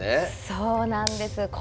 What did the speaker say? そうなんです。